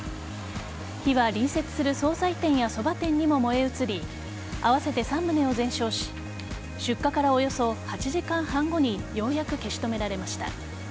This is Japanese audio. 火は連接する総菜店やそば店にも燃え移り合わせて３棟を全焼し出火からおよそ８時間半後にようやく消し止められました。